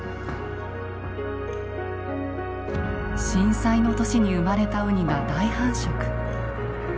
震災の年に生まれたウニが大繁殖。